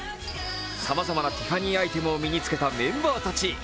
さまざまなティファニーアイテムを身に付けたメンバーたち。